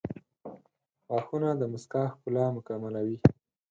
• غاښونه د مسکا ښکلا مکملوي.